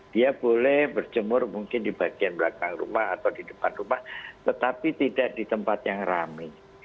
dia boleh berjemur mungkin di bagian belakang rumah atau di depan rumah tetapi tidak di tempat yang rame